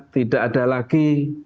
tidak ada lagi